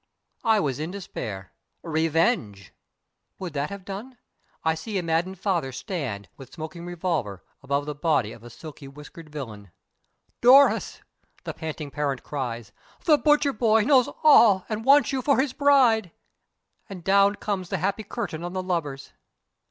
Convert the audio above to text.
I was in despair. Revenge! Would that have done? I see a maddened father stand with smoking revolver above the body of a silky whiskered villain. "Doris," the panting parent cries, "the butcher boy knows all and wants you for his bride." And down comes the happy curtain on the lovers.